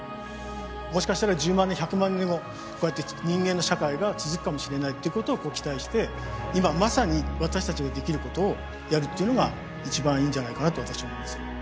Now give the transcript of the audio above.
もしかしたら１０万年１００万年後こうやって人間の社会が続くかもしれないっていうことを期待して今まさに私たちができることをやるっていうのが一番いいんじゃないかなと私は思います。